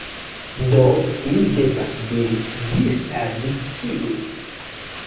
Do, mi devas diri ĝis al vi ĉiuj